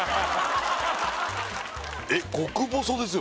えっ極細ですよ